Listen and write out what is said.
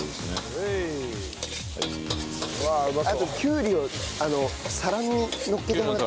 あときゅうりを皿にのっけてもらっていいですか？